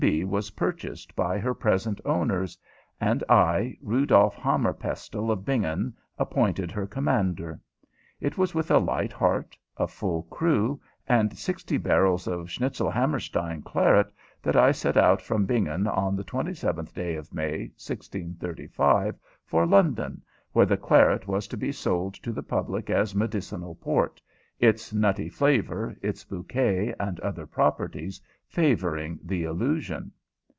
_ was purchased by her present owners, and I, Rudolf Hammerpestle, of Bingen, appointed her commander. It was with a light heart, a full crew, and sixty barrels of Schnitzelhammerstein claret that I set out from Bingen on the 27th day of May, 1635, for London, where the claret was to be sold to the public as medicinal port its nutty flavor, its bouquet, and other properties favoring the illusion.